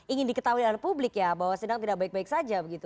ingin diketahui oleh publik ya bahwa sidang tidak baik baik saja begitu